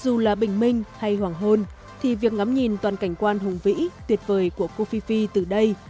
dù là bình minh hay hoàng hôn thì việc ngắm nhìn toàn cảnh quan hùng vĩ tuyệt vời của cô phi phi từ đây